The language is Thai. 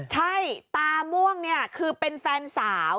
ใช่ตาม่วงเนี่ยคือเป็นแฟนสาว